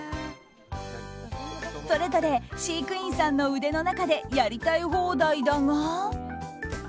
それぞれ飼育員さんの腕の中でやりたい放題だが。